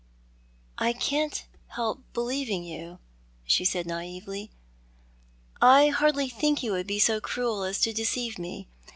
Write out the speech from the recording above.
"I can't help believing you," she said naively. "I hardly think you would be so cruel as to deceive me.